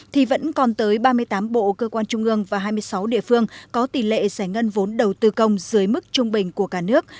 thì vẫn còn tới ba mươi tám bộ cơ quan trung ương và hai mươi sáu địa phương có tỷ lệ giải ngân vốn đầu tư công dưới mức trung bình của cả nước